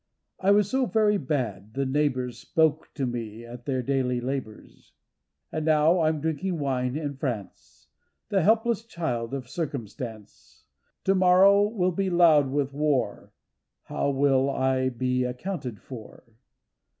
I was so very bad the neighbours Spoke of me at their daily labours. 255 256 SOLILOQUY And now I'm drinking wine in France, The helpless child of circumstance. To morrow will be loud with war, How will I be accounted for?